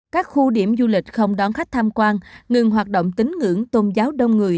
các khu điểm du lịch không đón khách tham quan ngừng hoạt động tính ngưỡng tôn giáo đông người